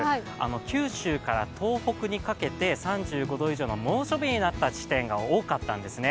九州から東北にかけて３５度以上の猛暑日になった地点が多かったんですね。